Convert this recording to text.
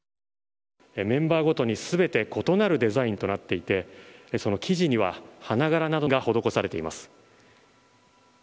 メンバーごとにすべて異なるデザインとなっていて、その生地には花柄などが施されています。